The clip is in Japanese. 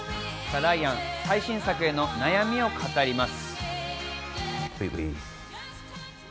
ライアン、最新作への悩みを語ります。